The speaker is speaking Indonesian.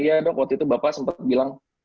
iya dok waktu itu bapak sempat bilang